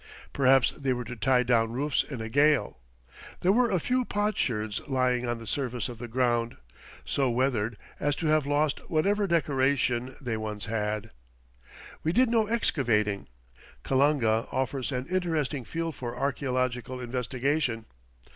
Perhaps they were to tie down roofs in a gale. There were a few potsherds lying on the surface of the ground, so weathered as to have lost whatever decoration they once had. We did no excavating. Callanga offers an interesting field for archeological investigation.